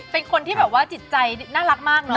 เป็นคนที่แบบว่าจิตใจน่ารักมากเนอะ